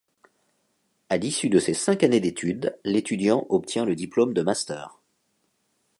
À l'issue de ces cinq années d'étude, l'étudiant obtient le diplôme de Master.